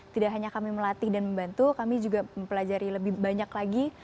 tidak hanya kami melatih dan membantu kami juga mempelajari lebih banyak lagi